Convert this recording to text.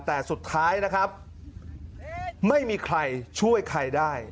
แต่สุดท้ายนะครับไม่มีใครช่วยใครได้